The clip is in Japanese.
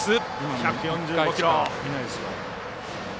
１４５キロ。